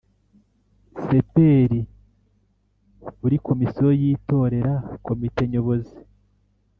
C P R Buri komisiyo yitorera komite nyobozi